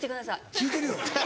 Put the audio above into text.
聞いてるよ。